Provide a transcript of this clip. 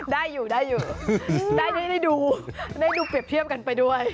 ได้อยู่ได้อยู่ได้ดูได้ดูเปรียบเทียบกันไปด้วย